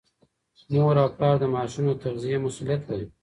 مور او پلار د ماشوم د تغذیې مسؤلیت لري.